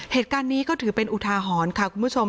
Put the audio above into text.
เหตุการณ์นี้ก็ถือเป็นอุทาหรณ์ค่ะคุณผู้ชม